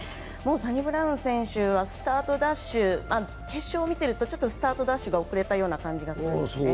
サニブラウン選手はスタートダッシュ、決勝を見てるとちょっとスタートダッシュが遅れたような感じがするんですね。